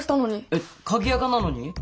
えっ鍵アカなのに？